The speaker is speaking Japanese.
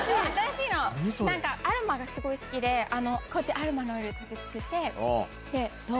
なんかアロマがすごい好きで、こうやってアルマオイルつけて、どう？